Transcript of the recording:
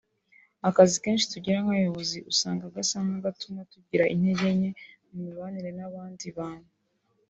Akazi kenshi tugira nk’abayobozi usanga gasa n’agatuma tugira intege nke mu mibanire n’abandi bantu